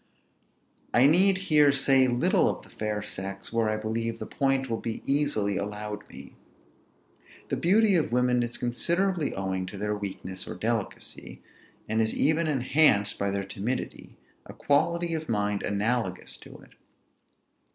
I need here say little of the fair sex, where I believe the point will be easily allowed me. The beauty of women is considerably owing to their weakness or delicacy, and is even enhanced by their timidity, a quality of mind analogous to it.